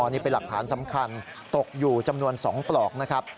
นี่เป็นหลักฐานสำคัญตกอยู่จำนวน๒ปลอกนะครับ